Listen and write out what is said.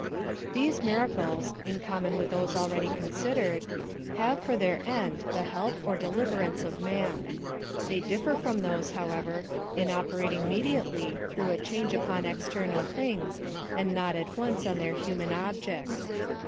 These miracles, in common with those already considered, have for their end the help or deliverance of man. They differ from those, however, in operating mediately, through a change upon external things, and not at once on their human objects.